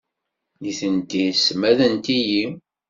Nitenti ssmadent-iyi.